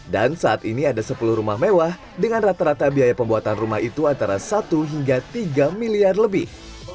dan saat ini ada sepuluh rumah mewah dengan rata rata biaya pembuatan rumah itu antara satu hingga tiga miliar lebih